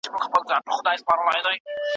کلالۍ بې زحمته نه کېږي.